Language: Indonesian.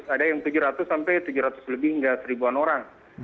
ada yang tujuh ratus sampai tujuh ratus lebih enggak seribuan orang